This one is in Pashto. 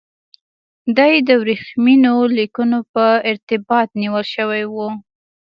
دی د ورېښمینو لیکونو په ارتباط نیول شوی و.